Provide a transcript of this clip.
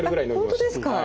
えっ本当ですか。